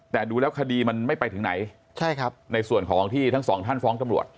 แต่ดูแล้วคดีมันไม่ไปถึงไหนใช่ครับในส่วนของที่ทั้งสองท่านฟ้องตำรวจ